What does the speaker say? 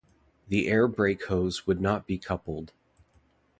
The air brake hose would not be coupled.